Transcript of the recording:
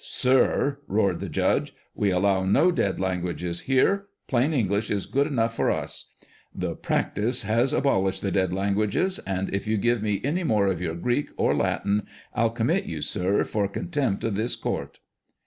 " Sir," roared the judge, " we allow no dead languages here. Plain English is good enough for us. The Practice has abolished the dead languages, and if you give us any more of your Greek or Latin 'I'll commit you, sir, for contempt of this court."